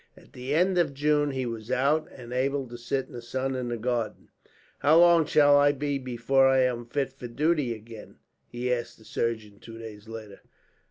At the end of June he was out and able to sit in the sun in the garden. "How long shall I be before I am fit for duty again?" he asked the surgeon, two days later.